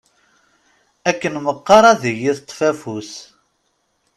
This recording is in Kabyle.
Akken meqqar ad yi-teṭṭef afus.